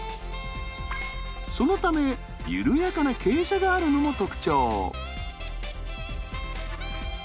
そのため緩やかな傾斜があるのも特徴。